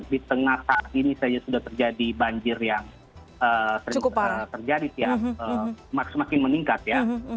di tengah saat ini saja sudah terjadi banjir yang terjadi semakin meningkat ya